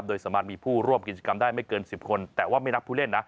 โดยสามารถมีผู้ร่วมกิจกรรมได้ไม่เกิน๑๐คนแต่ว่าไม่นับผู้เล่นนะ